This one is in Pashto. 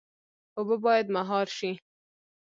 اوبه باید مهار شي